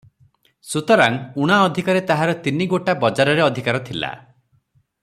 ସୁତରାଂ, ଉଣା ଅଧିକରେ ତାହାର ତିନି ଗୋଟା ବଜାରରେ ଅଧିକାର ଥିଲା